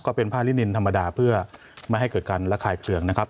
ก็เป็นผ้าลินินธรรมดาเพื่อไม่ให้เกิดการระคายเปลืองนะครับ